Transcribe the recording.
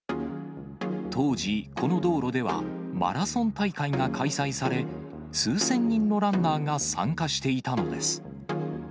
当時、この道路ではマラソン大会が開催され、数千人のランナーが参加していたのです。